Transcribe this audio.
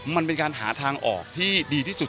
มันเป็นการหาทางออกที่ดีที่สุด